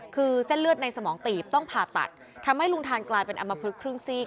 คือเส้นเลือดในสมองตีบต้องผ่าตัดทำให้ลุงทานกลายเป็นอำมพลึกครึ่งซีก